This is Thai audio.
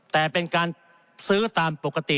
แต่เป็นการซื้อตามปกติ